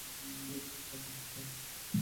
Stake আর ডিম খাওয়াবো।